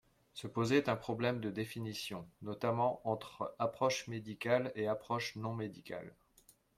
Se posait un problème de définition, notamment entre approche médicale et approche non médicale.